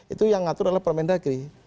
itu yang ngatur adalah permendagri